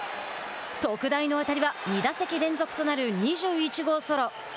特大の当たりは２打席連続となる２１号ソロ。